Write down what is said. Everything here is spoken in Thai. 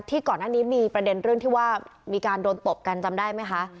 ก่อนหน้านี้มีประเด็นเรื่องที่ว่ามีการโดนตบกันจำได้ไหมคะ